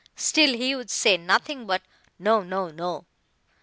Still he would say nothing but—'No—no—no.